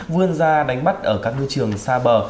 vươn ra đánh bắt ở các ngư trường xa bờ